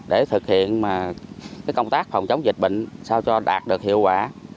để thực hiện công tác phòng chống dịch bệnh sao cho đạt được hiệu quả